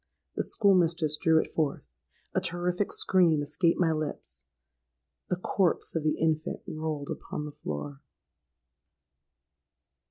The school mistress drew it forth—a terrific scream escaped my lips—the corpse of the infant rolled upon the floor!